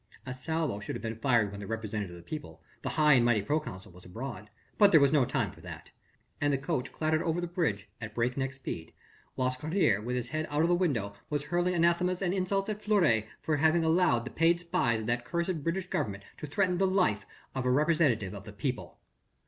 A salvo should have been fired when the representative of the people, the high and mighty proconsul, was abroad, but there was no time for that, and the coach clattered over the bridge at breakneck speed, whilst Carrier with his head out of the window was hurling anathemas and insults at Fleury for having allowed the paid spies of that cursed British Government to threaten the life of a representative of the people.